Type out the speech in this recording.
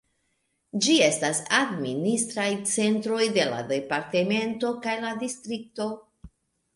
Ĝi estas administraj centroj de la departemento kaj la distrikto.